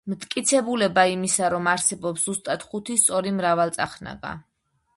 მტკიცებულება იმისა, რომ არსებობს ზუსტად ხუთი სწორი მრავალწახნაგა.